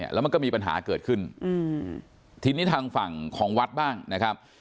แล้วมันก็มีปัญหาเกิดขึ้นทีนี้ทางฝั่งของวัดบ้างนะครับ